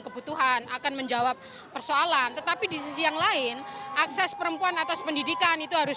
kebutuhan akan menjawab persoalan tetapi di sisi yang lain akses perempuan atas pendidikan itu harus